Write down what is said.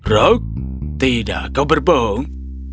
rock tidak kau berbohong